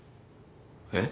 えっ？